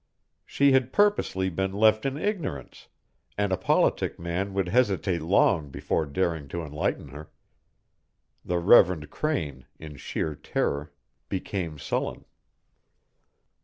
She had purposely been left in ignorance, and a politic man would hesitate long before daring to enlighten her. The Reverend Crane, in sheer terror, became sullen.